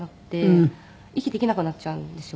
息できなくなっちゃうんですよ。